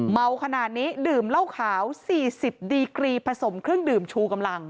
เมาขนาดนี้ดื่มเหล้าขาว๔๐ดีกรีผสมเครื่องดื่มชูกำลัง